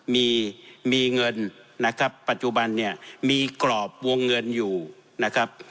มีมีเงินนะครับปัจจุบันเนี่ยมีกรอบวงเงินอยู่นะครับ